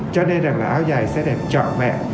cho nên là áo dài sẽ đẹp trọn mẹ